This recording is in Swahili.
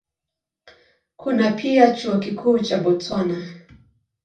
Kuna pia Chuo Kikuu cha Botswana.